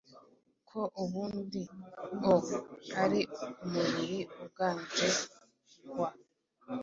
Ko ubundi o ari umubiri uganje gua,